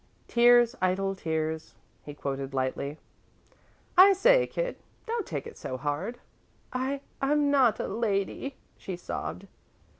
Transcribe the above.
"'Tears, idle tears,'" he quoted lightly. "I say, kid, don't take it so hard." "I I'm not a lady," she sobbed.